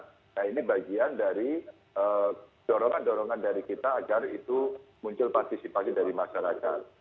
nah ini bagian dari dorongan dorongan dari kita agar itu muncul partisipasi dari masyarakat